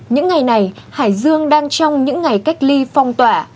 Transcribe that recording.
những ngày này hải dương đang trong những ngày cách ly phong tỏa